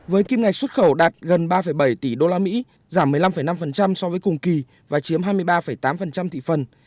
với kim ngạch xuất khẩu đạt gần ba bảy tỷ usd giảm một mươi năm năm so với cùng kỳ và chiếm hai mươi ba tám thị phần